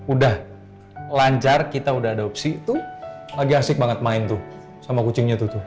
udah lancar kita udah adopsi tuh lagi asik banget main tuh sama kucingnya tuh tuh